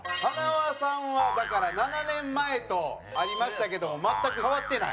塙さんはだから７年前とありましたけども全く変わってない。